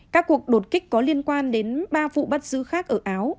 các cuộc đột kích có liên quan đến ba vụ bắt giữ khác ở áo